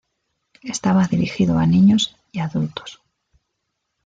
Estaba dirigido a niños y adultos.